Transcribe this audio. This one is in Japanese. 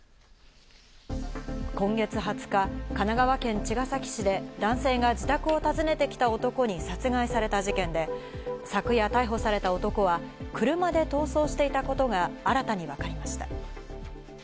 今月２０日、神奈川県茅ヶ崎市で、男性が自宅を訪ねてきた男に殺害された事件で、昨夜逮捕された男は車で逃走していたことが新たに分かりました。